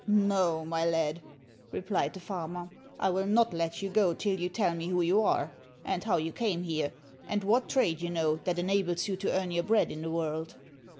"No, my lad," replied the farmer, "I will not let you go till you tell me who you are, and how you came here, and what trade you know that enables you to earn your bread in the world."